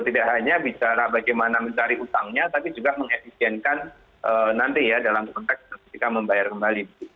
tidak hanya bicara bagaimana mencari utangnya tapi juga mengefisienkan nanti ya dalam konteks ketika membayar kembali